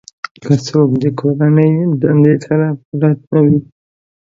که څوک د کورنۍ دندې سره بلد نه وي